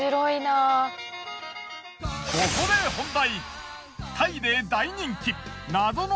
ここで本題。